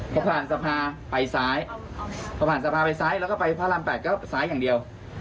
พอผ่านสภาไปซ้ายพอผ่านสภาไปซ้ายแล้วก็ไปพระราม๘ก็ซ้ายอย่างเดียว